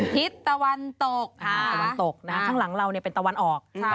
ทิศตะวันตกตะวันตกข้างหลังเราเป็นตะวันออก